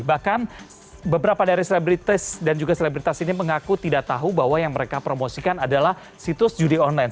bahkan beberapa dari selebritas dan juga selebritas ini mengaku tidak tahu bahwa yang mereka promosikan adalah situs judi online